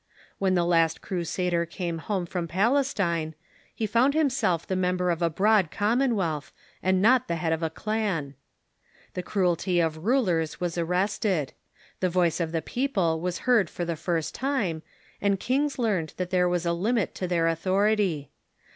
When the last Crusader came home from Palestine he found himself the member of a broad commonwealth, and not the head of a clan. The cruelty of rulers was arrested. The voice of the peoj^le was heard for the first time, and kings learned that there was a limit to their authority.